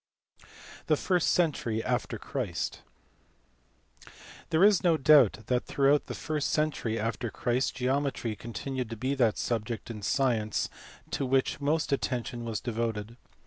The first century after Christ. There is no doubt that throughout the first century after Christ geometry continued to be that subject in science to which most attention was devoted.